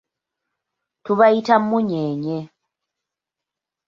Tubayita munyenye.